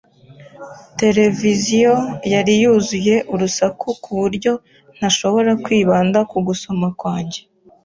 Televiziyo yari yuzuye urusaku ku buryo ntashobora kwibanda ku gusoma kwanjye.